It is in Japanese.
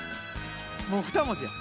もう２文字や。